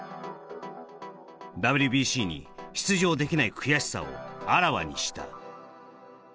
ＷＢＣに出場できない悔しさをあらわにした。